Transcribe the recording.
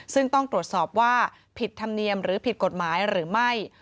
ซึ่งต้องตรวจสอบว่าผิดธรรมเนียมหรือผิดกฎหมายหรือไม่